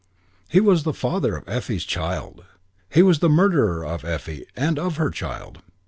He was the father of Effie's child; he was the murderer of Effie and of her child!